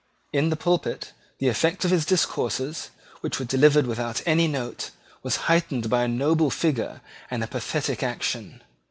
In the pulpit the effect of his discourses, which were delivered without any note, was heightened by a noble figure and by pathetic action.